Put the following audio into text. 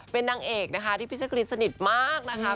เป็นนางเอกนะคะที่พี่แจ๊กรีนสนิทมากนะคะ